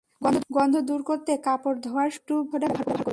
গন্ধ দূর করতে কাপড় ধোয়ার সময় একটু বেকিং সোডা ব্যবহার করুন।